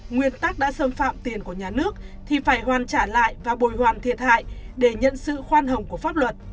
nguyên tắc đã xâm phạm tiền của nhà nước thì phải hoàn trả lại và bồi hoàn thiệt hại để nhận sự khoan hồng của pháp luật